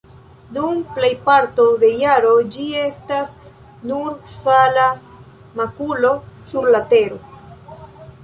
Dum plejparto de jaro ĝi estas nur sala makulo sur la tero.